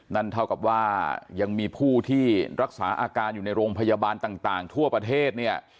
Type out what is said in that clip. นั่นเท่ากับว่ายังมีผู้ที่รักษาอาการอยู่ในโรงพยาบาลต่างทั่วประเทศเนี่ย